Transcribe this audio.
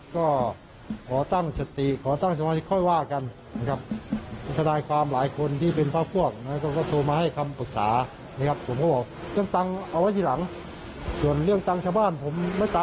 คุณสมรักษ์ให้เขาดูก่อนครับผม